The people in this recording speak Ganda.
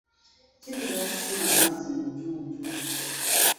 Kizira okukima amazzi mu ttuntu.